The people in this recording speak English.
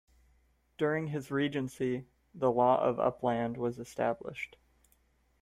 During his regency, the law of Uppland was established.